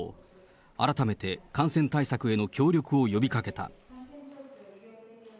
改めて感染対策への協力を呼びかけた。